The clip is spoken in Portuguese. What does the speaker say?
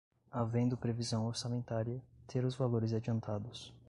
havendo previsão orçamentária, ter os valores adiantados